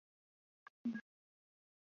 弯肢溪蟹为溪蟹科溪蟹属的动物。